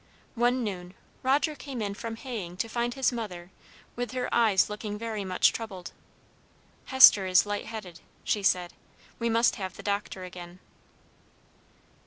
One noon, Roger came in from haying to find his mother with her eyes looking very much troubled. "Hester is light headed," she said; "we must have the doctor again."